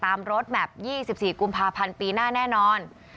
ตามโรดแมป๒๔กุมภาพันธุ์ปีหน้าแน่นอน